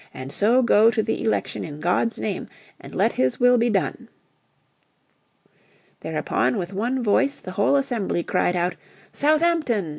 And so go to the election in God's name. And let His will be done." Thereupon with one voice the whole assembly cried out, "Southampton!